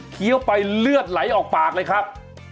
ไปเลือดไหลออกปากเลยครับ